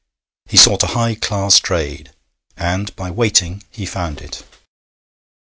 He sought a high class trade, and by waiting he found it.